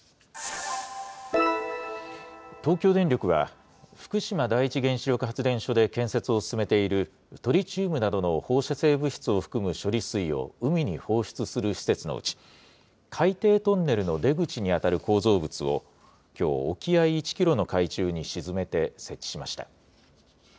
東京電力は、福島第一原子力発電所で建設を進めている、トリチウムなどの放射性物質を含む処理水を海に放出する施設のうち、海底トンネルの出口に当たる構造物を、きょう、沖合１キロの海中に沈めて設置しました。